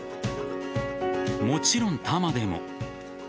もちろん、多摩でも。